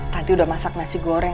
nanti udah masak nasi goreng